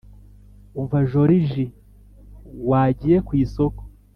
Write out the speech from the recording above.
umva jorije wa giye kw’ isoko